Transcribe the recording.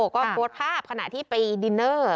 ก็โพสต์ภาพขณะที่ไปดินเนอร์